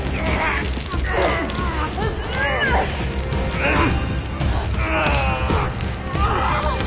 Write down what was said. うっ。